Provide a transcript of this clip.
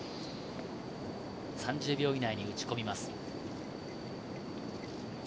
３０秒以内に撃ち込みます。